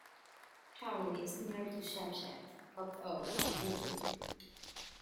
Charley is near to Shepshed, Copt Oak and Whitwick.